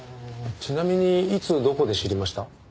ちなみにいつどこで知りました？